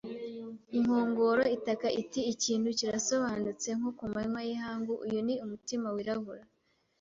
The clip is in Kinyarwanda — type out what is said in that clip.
Inkongoro itaka iti: "Ikintu kirasobanutse nko ku manywa y'ihangu." “Uyu ni umutima wirabura